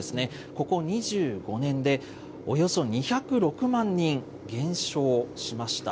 ここ２５年でおよそ２０６万人減少しました。